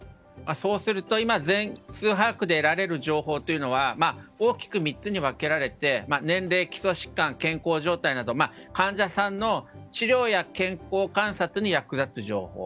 そうすると今、全数把握で得られる情報というのは大きく３つに分けられて年齢、基礎疾患、健康状態など患者さんの治療や健康観察に役立つ情報。